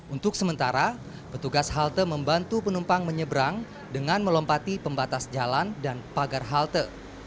untuk sementara petugas halte membantu penumpang menyeberang dengan melompati pembatas jalan dan pagar halte